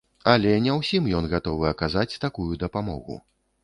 Але не ўсім ён гатовы аказаць такую дапамогу.